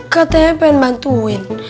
katanya pengen bantuin